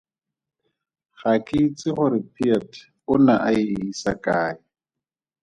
Ga ke itse gore Piet o ne a e isa kae.